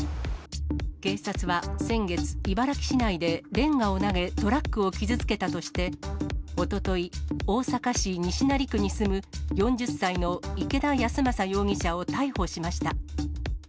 警察は先月、茨木市内でレンガを投げ、トラックを傷つけたとして、おととい、大阪市西成区に住む４０歳の池田康政容疑者を逮捕しました。